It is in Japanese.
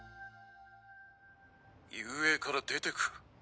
雄英から出てく！？